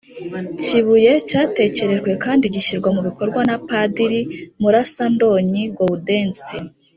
kibuye, cyatekerejwe kandi gishyirwa mu bikorwa na padiri murasandonyi gaudensi,